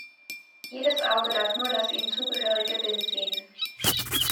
Jedes Auge darf nur das ihm zugehörige Bild sehen.